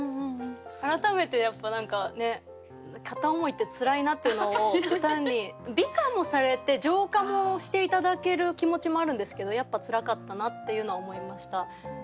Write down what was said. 改めてやっぱ何か片思いってツラいなっていうのを歌に美化もされて浄化もして頂ける気持ちもあるんですけどやっぱツラかったなっていうのは思いました。